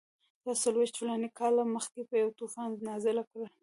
تاسو څلوېښت فلاني کاله مخکې یو طوفان نازل کړ.